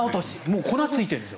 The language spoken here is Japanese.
粉がついてるんですよ。